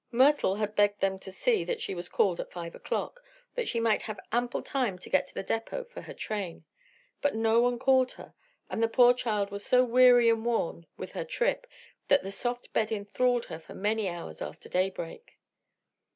Myrtle had begged them to see that she was called at five o'clock, that she might have ample time to get to the depot for her train, but no one called her and the poor child was so weary and worn with her trip that the soft bed enthralled her for many hours after daybreak.